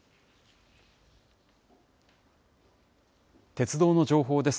鉄道の情報です。